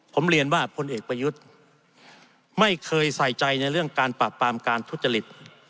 ผมเรียนว่าพลเอกประยุทธ์ไม่เคยใส่ใจในเรื่องการปราบปรามการทุจริต